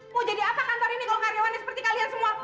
mau jadi apa kantor ini kalau karyawannya seperti kalian semua